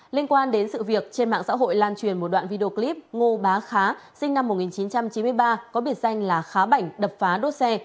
liên quan đến sự việc trên mạng xã hội lan truyền một đoạn video clip ngô bá khá sinh năm một nghìn chín trăm chín mươi ba có biệt danh là khá bảnh đập phá đốt xe